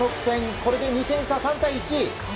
これで２点差、３対１。